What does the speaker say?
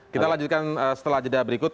kita lanjutkan setelah jeda berikut